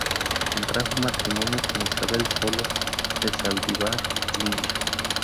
Contrajo matrimonio con Isabel Solo de Zaldívar Lynch.